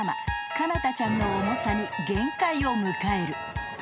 ［かなたちゃんの重さに限界を迎える］